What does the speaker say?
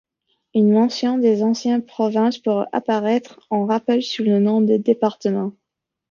Une mention des anciennes provinces pourra apparaître en rappel sous le nom des départements.